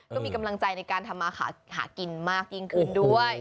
ก็มีกำลังใจในการทำมาหากินมากยิ่งขึ้นด้วย